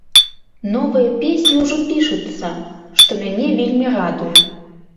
Новыя песні ўжо пішуцца, што мяне вельмі радуе.